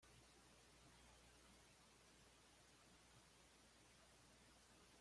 Una versión digital de la edición fue lanzada el primero de agosto.